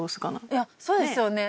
いやそうですよね。